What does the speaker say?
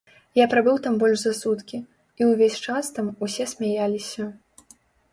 Я прабыў там больш за суткі, і ўвесь час там усе смяяліся.